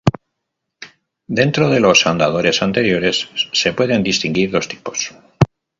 Dentro de los andadores anteriores, se pueden distinguir dos tipos.